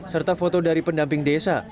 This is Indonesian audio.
serta foto dari pendamping desa